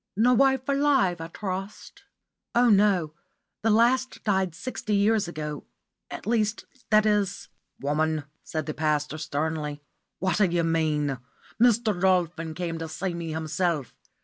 "No wife alive, I trust?" "Oh, no the last died sixty years ago at least that is " "Woman," said the pastor sternly, "what do you mean? Mr. Dolphin came to see me himself.